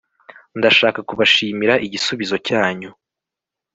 Ndashaka kubashimira igisubizo cyanyu